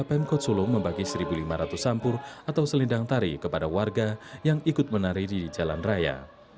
pemkot solo membagi satu lima ratus sampur atau selindang tari kepada warga yang ikut menari di jalan raya